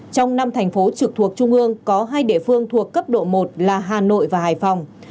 trong năm thành phố trực thuộc trung ương có hai địa phương thuộc cấp độ một là hà nội và hải phòng